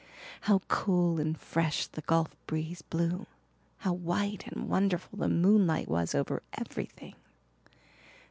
How cool and fresh the gulf breeze blew; how white and wonderful the moonlight was over everything!